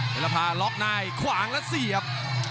เพลภาล็อคนายขวางและเสียบ